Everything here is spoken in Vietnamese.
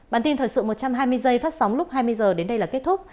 bản tin thời sự một trăm hai mươi giây phát sóng lúc hai mươi h đến đây là kết thúc